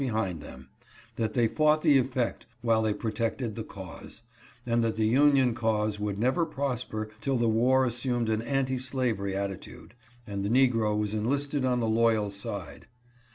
411 behind them — that they fought the effect, while they pro tected the cause, and that the Union cause would never prosper till the war assumed an anti slavery attitude, and the negro was enlisted on the loyal side.